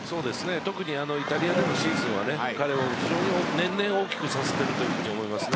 特にイタリアでのシーズンは彼を年々大きくさせていると思います。